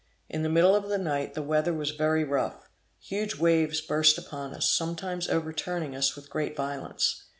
In the middle of the night the weather was very rough; huge waves burst upon us, sometimes overturning us with great violence.